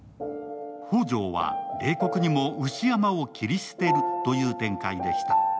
宝条は冷酷にも牛山を切り捨てるという展開でした。